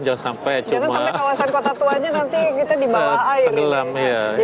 jangan sampai kawasan kota tuanya nanti kita dibawa air